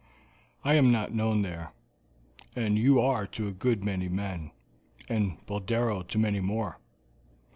I am not known there, and you are to a good many men, and Boldero to many more.